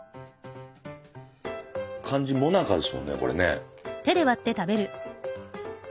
感じもなかですもんねこれね。